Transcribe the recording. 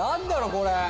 これ。